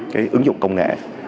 cái ứng dụng công nghệ